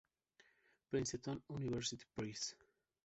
Princeton University Press.